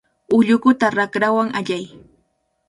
Ullukuta rakwawan allay.